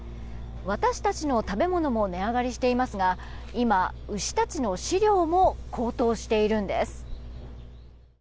私たちの食べ物も値上がりしていますが今、牛たちの飼料も高騰しているんです。